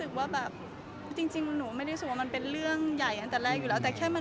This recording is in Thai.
นี่จริงว่ามันเป็นเรื่องใหญ่ตั้งแต่แรกอยู่แล้วแต่แค่มันมัน